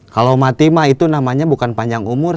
kalau mati mah itu namanya bukan panjang umur